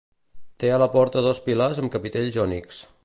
Té a la porta dos pilars amb capitells jònics.